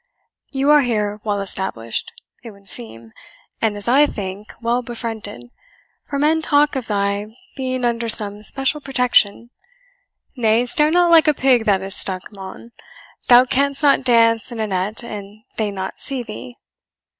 You are here well established, it would seem, and, as I think, well befriended, for men talk of thy being under some special protection nay, stare not like a pig that is stuck, mon; thou canst not dance in a net and they not see thee.